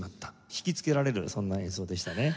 引きつけられるそんな演奏でしたね。